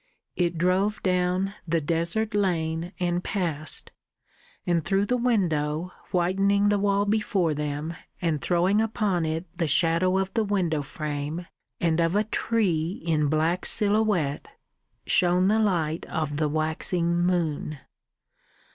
It drove down the desert lane and passed; and through the window, whitening the wall before them and throwing upon it the shadow of the window frame and of a tree in black silhouette, shone the light of the waxing moon....